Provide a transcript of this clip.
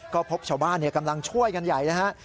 ก็พบชาวบ้านกำลังช่วยกันใหญ่นะฮะ